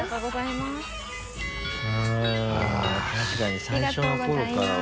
確かに最初の頃からは。